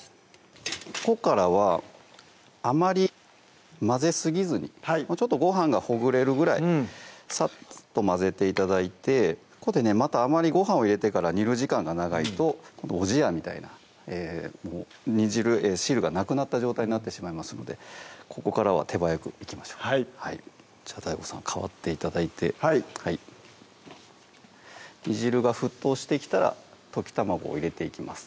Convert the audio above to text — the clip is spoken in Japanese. ここからはあまり混ぜすぎずにちょっとご飯がほぐれるぐらいさっと混ぜて頂いてここでねあまりご飯を入れてから煮る時間が長いとおじやみたいな汁がなくなった状態になってしまいますのでここからは手早くいきましょうはいじゃあＤＡＩＧＯさん代わって頂いてはい煮汁が沸騰してきたら溶き卵を入れていきます